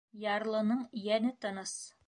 Ярлының йәне тыныс.